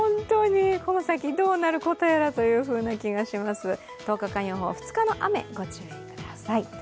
この先どうなることやらというふうな気がいたします。